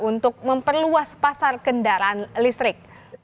untuk memperluas pasar kendaraan listrik